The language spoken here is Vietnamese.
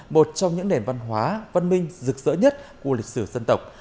một trong những nền văn hóa văn minh rực rỡ nhất của lịch sử dân tộc